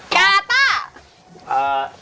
กาต้า